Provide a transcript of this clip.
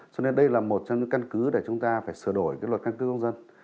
cho nên đây là một trong những căn cứ để chúng ta phải sửa đổi luật căn cước công dân